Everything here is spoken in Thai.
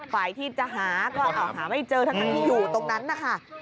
ฝ่ายที่จะหาก็หาไม่เจอทั้งที่อยู่ตรงนั้นนะคะ